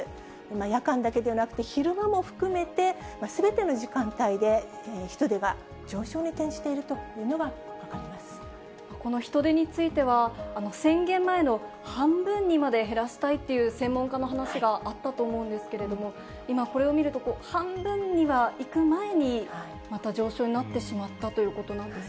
夜間だけでなくて、昼間も含めて、すべての時間帯で、人出が上昇にこの人出については、宣言前の半分にまで減らしたいという専門家の話があったと思うんですけれども、今これを見ると、半分にはいく前に、また上昇になってしまったということなんです